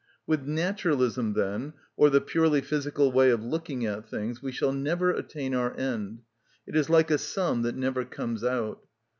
With naturalism, then, or the purely physical way of looking at things, we shall never attain our end; it is like a sum that never comes out.